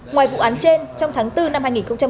ngoài vụ án trên trong tháng bốn năm hai nghìn một mươi sáu